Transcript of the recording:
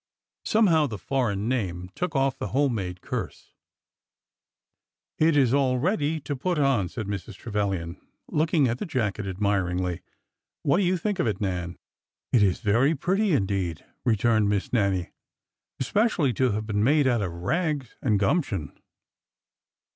Somehow, the foreign name took off the home made curse. It 's all ready to put on," said Mrs. Trevilian, look ing at the jacket admiringly. " What do you think of it, Nan?" " It is very pretty, indeed," returned Miss Nannie, " especially to have been made out of rags and gump tion